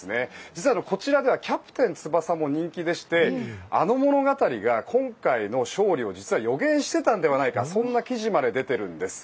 実はこちらでは「キャプテン翼」も人気でしてあの物語が今回の勝利を実は予言していたのではないかそんな記事まで出ているんです。